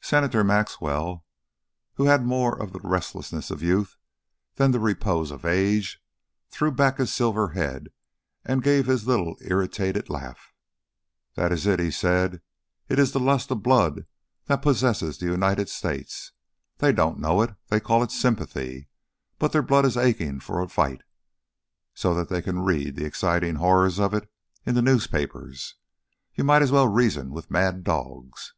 Senator Maxwell, who had more of the restlessness of youth than the repose of age, threw back his silver head and gave his little irritated laugh. "That is it," he said. "It is the lust of blood that possesses the United States. They don't know it. They call it sympathy; but their blood is aching for a fight, so that they can read the exciting horrors of it in the newspapers. You might as well reason with mad dogs."